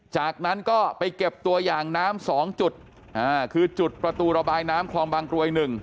จากนั้นก็ไปเก็บตัวอย่างน้ำ๒จุดคือจุดประตูระบายน้ำคลองบางกรวย๑